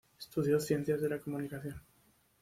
Estudió Ciencias de la Comunicación.